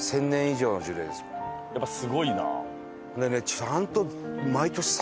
やっぱすごいな。